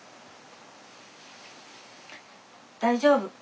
大丈夫。